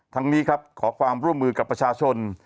ทั้งนี้ครับขอความร่วมมือกับประชาชน